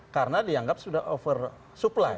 karena dianggap sudah oversupply